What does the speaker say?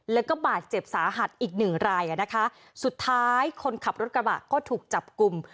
แล้วก็บาดเจ็บสาหัสอีกหนึ่งรายอ่ะนะคะสุดท้ายคนขับรถกระบะก็ถูกจับกลุ่ม